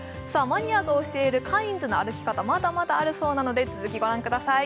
マニアが教えるカインズの歩き方まだまだあるそうなので続きご覧ください